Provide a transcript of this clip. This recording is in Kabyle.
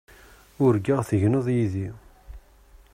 Urgaɣ tegneḍ yid-i.